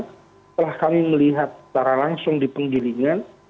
setelah kami melihat secara langsung di penggilingan